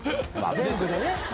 全部でね。